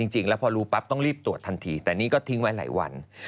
จริงแล้วพอรู้ปั๊บต้องรีบตรวจทันทีแต่นี่ก็ทิ้งไว้หลายวัน